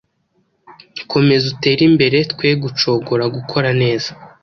Komeza utere imbere Twe gucogora gukora neza